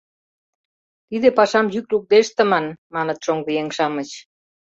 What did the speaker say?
Тиде пашам йӱк лукде ыштыман, маныт шоҥгыеҥ-шамыч.